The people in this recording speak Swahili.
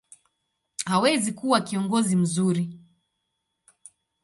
hawezi kuwa kiongozi mzuri.